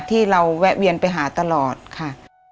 ที่เราแวะเวียนไปหาตลอดค่ะ